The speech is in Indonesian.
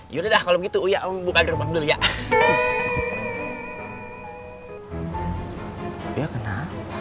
yaudah kalau gitu ya buka dulu ya